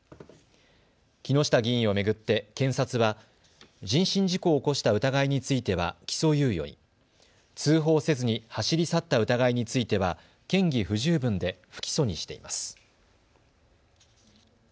木下議員を巡って検察は人身事故を起こした疑いについては起訴猶予に、通報せずに走り去った疑いについては嫌疑不十分で不起訴にしています。